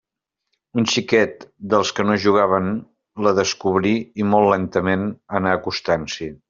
Un xiquet dels que no jugaven la descobrí, i molt lentament anà acostant-s'hi.